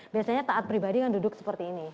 biasanya taat pribadi kan duduk seperti ini